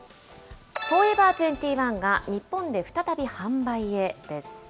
フォーエバー２１が日本で再び販売へです。